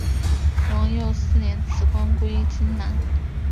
皇佑四年辞官归荆南。